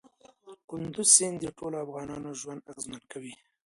کندز سیند د ټولو افغانانو ژوند اغېزمن کوي.